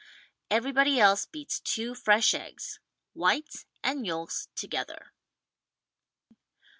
Everybody else beats two fresh eggs — whites and yolks together.